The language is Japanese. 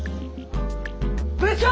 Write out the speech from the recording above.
部長！